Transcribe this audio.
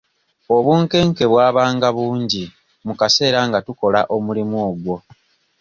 Obunkenke bwabanga bungi mu kaseera nga tukola omulimu ogwo.